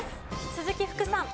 鈴木福さん。